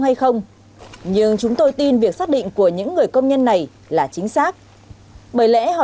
hay không nhưng chúng tôi tin việc xác định của những người công nhân này là chính xác bởi lẽ họ